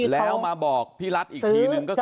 แล้วมาบอกพี่รัฐอีกทีนึงก็คือ